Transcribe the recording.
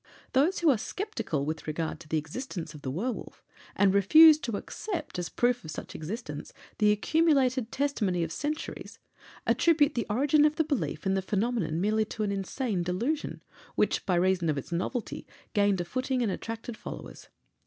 Those who are sceptical with regard to the existence of the werwolf, and refuse to accept, as proof of such existence, the accumulated testimony of centuries, attribute the origin of the belief in the phenomenon merely to an insane delusion, which, by reason of its novelty, gained a footing and attracted followers.